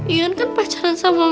ian kan pacaran sama